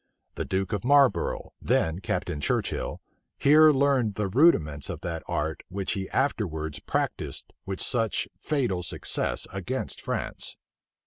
The duke of Marlborough, then Captain Churchill, here learned the rudiments of that art which he afterwards practised with such fatal success against France.